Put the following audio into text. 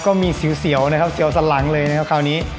ก็มีเสียวเสียวสลังเลยนะครับคราวนี้